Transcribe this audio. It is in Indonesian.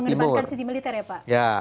timur menggembangkan sisi militer ya pak